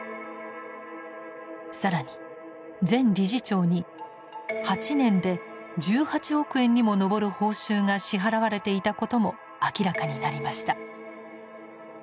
更に前理事長に８年で１８億円にも上る報酬が支払われていたことも明らかになりました。